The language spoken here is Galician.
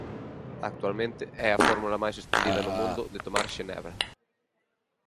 Actualmente é a fórmula máis estendida no mundo de tomar xenebra.